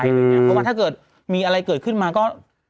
เพราะว่าถ้าเกิดมีอะไรเกิดขึ้นมาก็